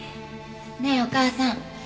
ねえお母さん。